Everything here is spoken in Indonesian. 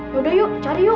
yaudah yuk cari yuk